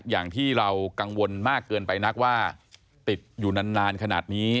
อย่างที่เรากังวลมากเกินไปนักว่าติดอยู่นานขนาดนี้